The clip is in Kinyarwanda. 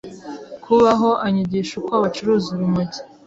kubaho anyigisha uko bacuruza urumogi